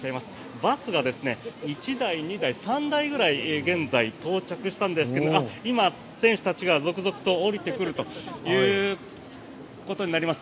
バスが１台、２台、３台ぐらい現在、到着したんですが今、選手たちが続々と降りてくるということになります。